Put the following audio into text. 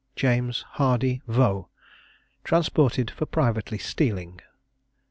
JAMES HARDY VAUX, TRANSPORTED FOR PRIVATELY STEALING.